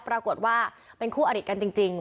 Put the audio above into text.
ปรากฏว่าเป็นคู่อริกันจริง